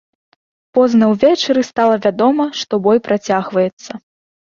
Позна ўвечары стала вядома, што бой працягваецца.